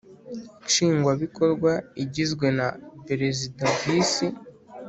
Nshingwabikorwa igizwe na perezida visi